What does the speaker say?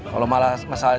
kalau malah masalah